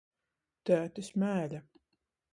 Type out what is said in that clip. Tētis mēle.